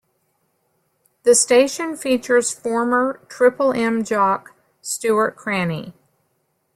The station features former Triple M jock, Stuart Cranney.